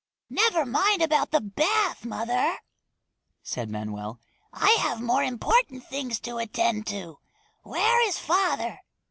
"Never mind about the bath, mother," said Manoel. "I have more important things to attend to. Where is father?"